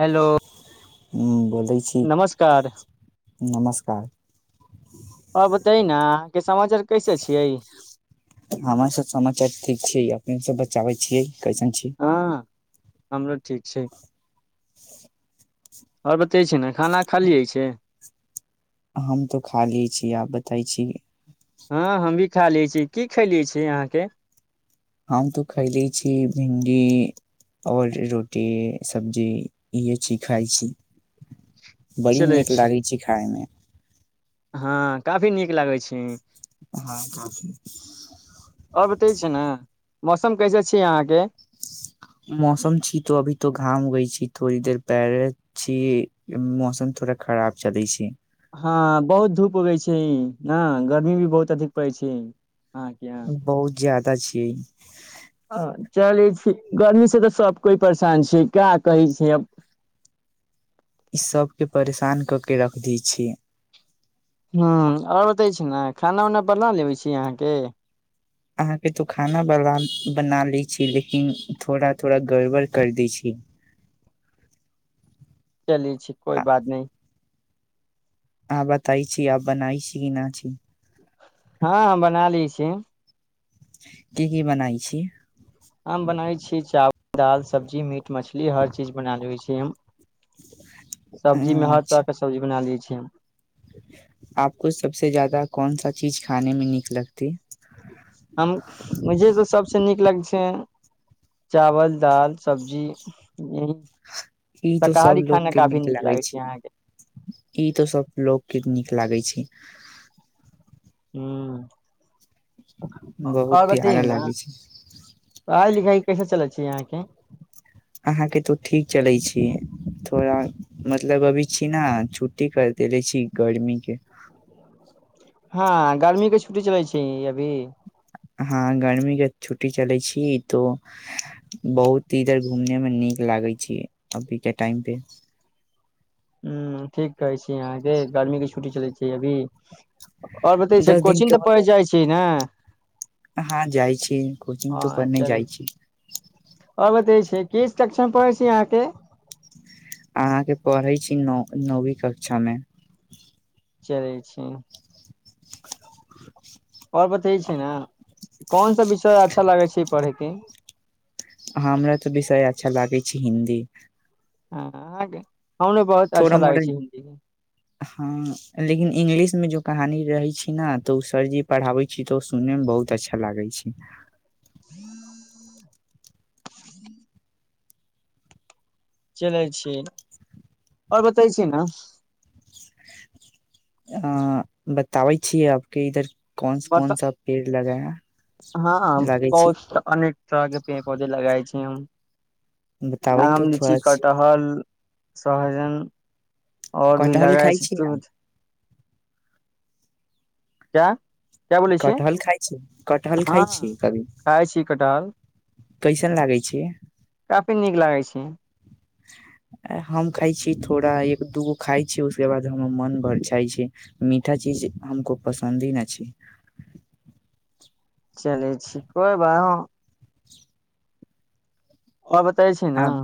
Hello ह बोल नमस्कार नमस्कार अ बताय न समाचार कैसे छियै हमर सब समाचार ठीक छै अपने सब बचाबै छियै कइसन छी हँ हमरो ठीक छै आओर बतै छी ने खाना खालीइ छै हम तो खाली छी आब बतै छी हँ हम भी खा ले छी की खलियै छीय अहाँके हम तो खयले छी भिंडी आओर रोटी सब्जी इहे छी खाइ छी बड़ी चलै नीक छी लागै छै खायमे हँ काफी नीक लागय छीही हँ त छै आओर बतै छै ने मौसम कैसे छियै अहाँके मौसम छी तो अभी तो घाम गई छी थोड़ी देर पैर छी मौसम थोड़ा खराब चलै छै हँ बहुत धूप उगै छै नए गर्मी भी बहुत अधिक पड़ै छै यहाँ बहुत ज्यादा छियै अ, चलै छी गर्मी से तऽ सब कोइ परेशान छै क्या कहै छै अब इ सभके परेशान कऽ कऽ रखि दै छियै हा आओर बतै छी ने खाना उना बला लेबै छी अहाँके अहाँके तो खाना बरबान बना लै छी लेकिन थोड़ा थोड़ा गड़बड़ कर दै छी चल छी कोइ आ बात नहि अहाँ बताइ छी अब बनाहि छी कि नहि छी हँ हँ बना लै छी की की बनाइ छी हम बनाबै छीयै चावल दाल सब्जी मीठ मछली हर चीज बना ले छै सब्जी में हर अच्छा तरह के सब्जी बना ले छी [inaudible] आपको सबसे ज्यादा कोनसा चीज खाने में नीक लगती हम मुझे तो सबसे नीक लगै छै चावल दाल सब्जी घी ई तो सब लोकके नीक लागै छै ई तो सब लोकके नीक लागै छै हू बहुत आओर बत ने प्यारा लागे छै पढ़ाइ लिखाइ कैसे चलै छैै अहाँके अहाँके तो ठीक चलै छी थोड़ा मतलब अभी छी ना छुट्टी कर देले छी गर्मीके हँ गर्मी के छुट्टी चलै छै अभी हँ गर्मीके छुट्टी चलै छी तो बहुत इधर घूमने मे नीक लागै छै अभी के टाइम पे ह ठीक कहय छी की अहाँके गर्मीके छुट्टी छुट्टी चलै छै अभी आओर बते छै दस कोचिंग तऽ पढ़ जाइ छै ने हँ जाइ छी कोचिंग हँ तऽ पर नहि चलै जाइ छी और बतै किस कक्षा पढ़ै छी अहाँ के अहाँके पढ़ै छी न नौवीं कक्षामे चलय छी [inaudible] आओर बते छै ने कोन सा विषय अच्छा लागे छै पढ़ेयके हमरा तऽ विषय अच्छा लागय छै हिन्दी हँ आ थोड़ा मोडर्न हँ लेकिन इंग्लिश मे जो कहानी रहै छी ने तऽ ओ सरजी पढ़ाबै छी तऽ ओ सुनने मे बहुत अच्छा लागे छै चलय छी आओर बतय छी ने अ बताबै छियै आपके इधर कौन बत कौन सा पेड़ लगाया हँ पौध अनेक तरहके पे पौधे लगाइ छै ह बताबै तो आम लीची थोड़ा छी। कटहल सहजन आओर भी कटहल लगाए खाइ छै छी दूध क्या क्या बोलै छी कटहल खाइ छी कटहल खाइ हँ छी कभी खाइ छी कटहल कैसन लागै छै काफी नीक लागै छी हम खाइ छी थोड़ा एक दूगो खाइ छियै उसके बाद हमर मन भर जाए छै मीठा चीज हमको पसन्द ही नहि छै चलै छी कोइ बा हँ [inaudible] और बतावे छी ना आब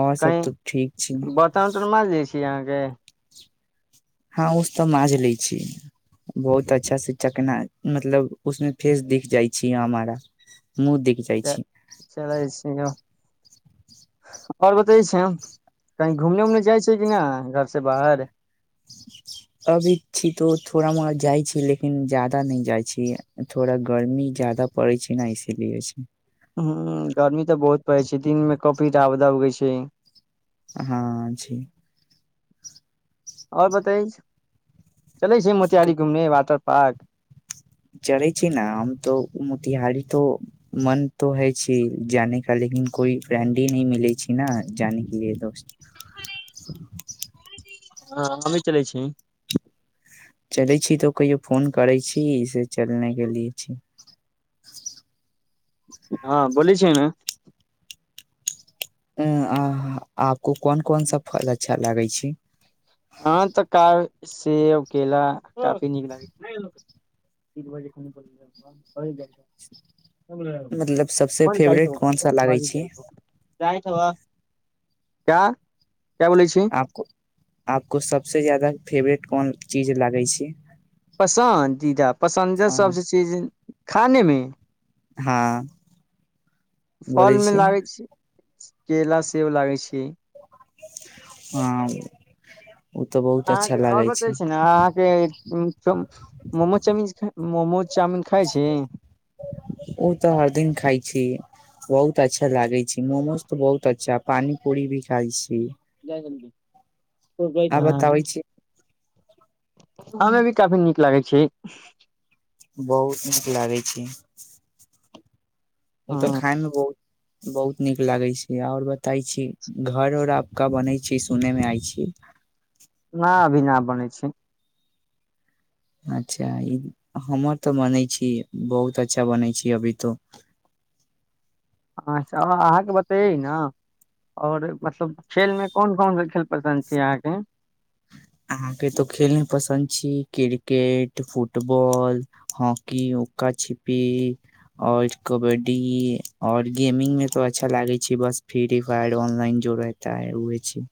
आओर सब तऽ ठीक छी कि अहाँके हँ ओ तऽ माँज लै छी बहुत अच्छा से चकना मतलब उसमे फेस दिख जाइ छी हमारा मु देखि जाइ छी चलै छी आओर बतै छिय हम कहीं घूमने उमने जाइ छियै कि नहि घरसँ बाहर अभी छी तो थोड़ा मोड़ जाइ छी लेकिन ज्यादा नहि जाइ छी थोड़ा गर्मी ज्यादा पड़ै छै ने इसीलिए ह गर्मी तऽ बहुत पड़य छै दिनमे कॉफी रौदा उगै छै हँ जी आओर बताइ चलै छै मोतियहारी घूमने वातर पार्क चढ़ै छी न हम तो मोतिहारी तो मन तो है छी जाने का लेकिन कोइ फ्रेंड ह नहि मिलै छै ने जााने के लिए दोस्त हँ हमी चलै छी खेले छी तऽ ओ कहियो फोन करै छी से चलने के लिए छी [inaudible] हँ बोल छिय ने अ आह आपको कोन कोन सा फल अच्छा लागय छै ह तऽ काल सेब केला काफी नीक लागै छै मतलब सभसँ फेवरेट कोन सा लागै छी जाइठब क क्या बोलै छी आपको आपको सबसे जादा फेवरेट कोन चीज लागे छै पसन्द दीदा पसन्द सभसँ चीज खानेमे हँ फलमे लागै छी केला सेब लागै छै आ अहाँके आओर बतै छी ने अहाँके मोमो चाउमीन मोमो चाउमीिन खाय छि ओ तऽ हर दिन खाइ छी बहुत अच्छा लागे छै मोमोज तऽ बहुत अच्छा पानी पूरी भी खाइ छी दूबे आ धान बताबै छी हममे भी काफी नीक लागै छै बहुत नीक लागै छै ह तऽ खाय मे बहुत बहुत नीक लागै छै आओर बताई छी घर ओर आपका बनै छी सुनै मे आय छीै न अभी न बनै छै अच्छा ई हमर तऽ बनै छी बहुत अच्छा बनै छी अभी तो अच्छा अहाँकेँ बतैै ने आओर मतलब खेलमे कोन कोन सा खेल पसन्द छै अहाँके अहाँके तो खेलमे पसन्द छी क्रिकेट फुटबॉल हॉकी उक्का छिपी आओर कबड्डी आओर गेमिंगमे तो अच्छा लागै छै बस फ्री फायर ऑनलाइन जो रहता है उहे छै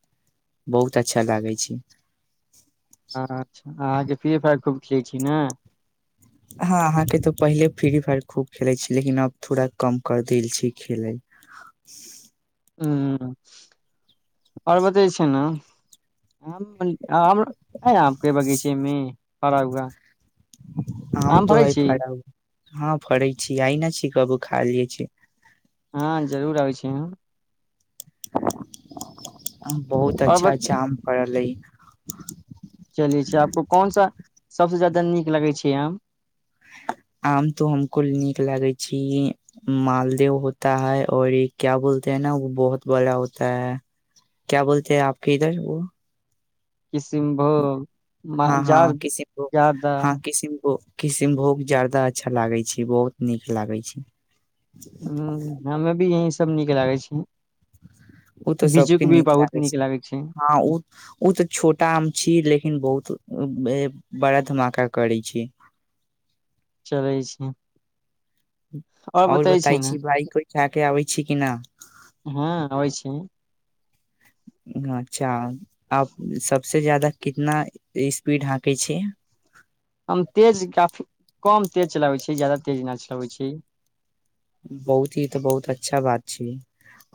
बहुत अच्छा लागै छै [inaudible] अच्छा अहाँके फ्री फायर खूब खेलै छी ने हँ अहाँके तऽ पहिले फ्री फायर खूब खेलैत छै लेकिन अब थोड़ा कम कर देल छै खेलै ह आओर बतै छै ने आम है आपके बगीचेमे पड़ा हुआ आम तो फड़ै हइ छी फरल हँ फरै छी आइ न छी कबो खाय लेल छी हँ जरूर आबै छी हम बहुत और अच्छा जाम पड़ल अय [inaudible] चलि छै आपको कौन सा सभसे ज्यादा नीक लगय छै आम आम तो हमको नीक लागय छै मालदे होता है और ई क्या बोलते है न बहुत बड़ा होता है क्या बोलते है आपके इधर वो किसिनभोग मा हँ हँ जार्द किसिमभो जादा हँ किसिमभो किशनभोग जायदा अच्छा लागय छै बहुत नीक लागय छै हं हमे भी यहीं से सब नीक लागय छै ओ तऽ बीजू सबके के भी नीक बहुत लागै छै लागे हँ ओ ओ तऽ छोटा आम छी लेकिन बहुत बड़ा धमाका करै छी चलै छी आओर बताइ छी बाइक उइक कऽ आबै छी किना हँ अबै छै अच्छा आब सबसे जायदा कितना स्पीड हाँकै छै हम तेज काफी कम तेज चलाबैत छी ज्यादा तेज नहि चलाबैत छै बहुत ही तऽ बहुत अच्छा बात छी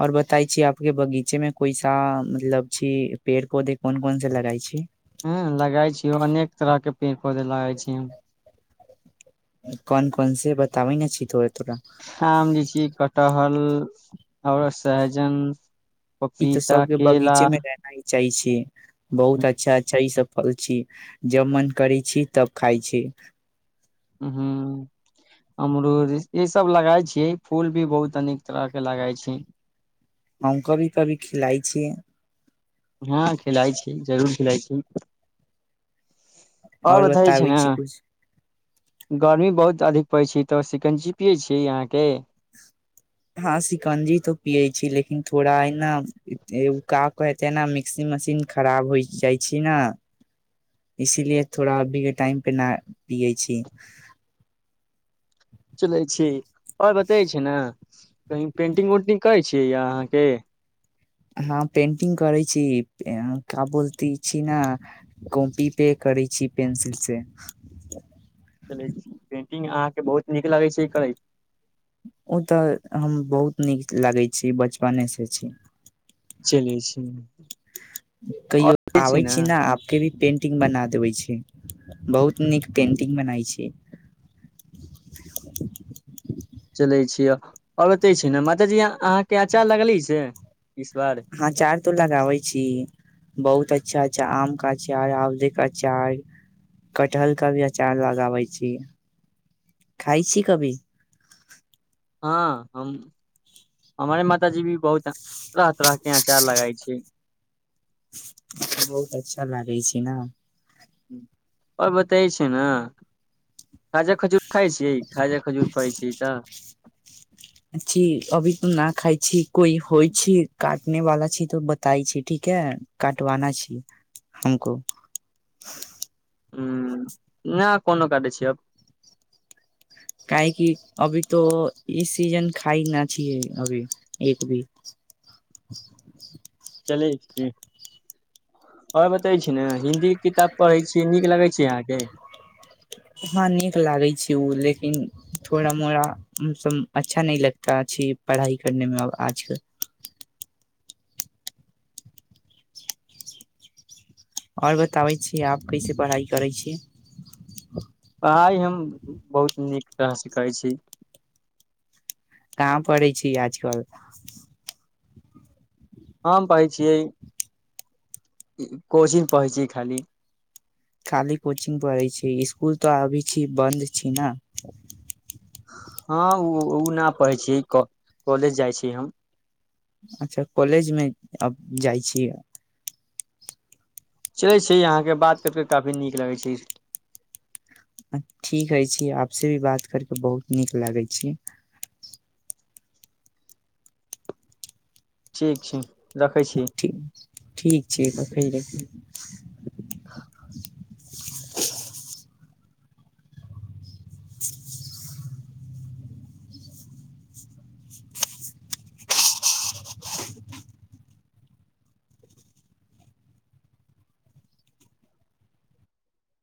और बताई छी आपके बगीचेमे कोइसा आ मतलब छी पेड़ पौधे कौन कौन सा लगाई छी हुं लगाय छिय अनेक तरह के पेड़ पौधे लगाय छी कौन कौन से बताबै ने छी तो आम लिची कटहर आओर सहजन पपीता केला चै छी बहुत अच्छा अच्छा ई सब फल छी जब मन करै छी तब खाइ छी ह अमरूद ईसभ लगााय छियै फूल भी बहुत अनेक तरह के लगााय छै हम कभी कभी खिलाइ छियै हँ खेलाइ छी जरूर खेलाइ छी आओ और बतै छै बताबै ने छी कुछ गर्मी बहुत अधिक पै छै तऽ शिकंजि पियै छिय अहाँ के हँ शिकंजी तो पियै छी लेकिन थोड़ा ह ने उ का क हेते न मिक्सि मशीन खराब हो जाइ छी ने इसीलिए थोड़ा अभी के टाइम पे नहि पियै छी चलै छी आओर बतै छै ना कही पेंटिंग उंटिंग करै छियै या अहाँके हँ पेंटिंग करै छी क बोलती छी ने कॉपी पे करै छी पेंसिल से चलै छी अहाँके बहुत नीक लगै छै ई करै ओ तऽ हम बहुत नीक लागै छी बचपने से छै चलै छी ह [inaudible] और कहियो जे आबे छै छी ने आपके भी पेंट बना देबै छै बहुत नीक पेन्टिंग बनाइ छै चलै छियै आओर ओतै छै ने माताजी अहाँके आचार लगले से इस बार हँ चार तो लगाबै छी बहुत अ अच्छा अच्छा आम का अचार आमले का अचार कटहल का भी अचार लगाबै छी खााय छी कभी हँ हम हमारे माताजी भी बहुत तरह तरह के अचार लगाइ छै बहुत अच्छा लागै छै ने आओर बतै छै ने खाजा खजूर खाइ छियै खाजा खजूर खाइ छीयै तऽ छी अभी तऽ न खाइ छी कोइ होइ छी काटने वाला छी तऽ बताई छी ठीक है काटवाना छी हमको ह नहि कोनो काटै छिय अब काहेकि अभी तो ई सीजन खाइ न छियै अभी एक भी चलै छी आओर बतै छी ने हिन्दी किताब पढ़ै छियै नीक लगै छै अहाँके हँ नीक लागै छै ओ लेकिन थोड़ा मोड़ा हमसभ अच्छा नहि लगता छी पढ़ाइ करनेमेब आजकल आओर बताबै छीयै आब कैसे पढ़ाइ करै छियै पढ़ाइ हम बहुत नीक तरह स करैछी कहाँ पढ़ै छी आजकल हम कहै छियै कोचंग पढ़ै छियै खाली खाली कोचिंग पढ़ै छै इसकुल तऽ अभी छी बन्द छी ने हँ ओ ओ नहि पढ़ै छी कॉलेज जाइ छी हम अच्छा कॉलेजमे अब जाइ छी चलै छै अहाँके बात करकेऽ काफी नीक लगै छै ठीक है छी आपसे भी बात करके बहुत नीक लागै छी ठीक छै रखै छी ठी ठीक छै तख [inaudible] ह [inaudible]